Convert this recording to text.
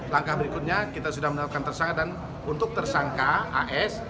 langkah berikutnya kita sudah menetapkan tersangka dan untuk tersangka as